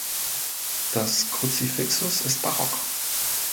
Das Kruzifixus ist barock.